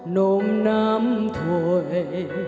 nôm nam thổi